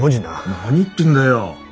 何言ってんだよ